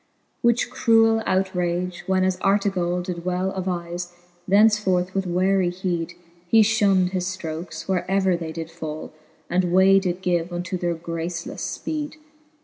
Which cruell outrage when as Artegall Did well diN'vLQ^ thenceforth with wearic heed He fhund his ftrokes, where ever they did fall, And way did give unto their gracelefle fpeed.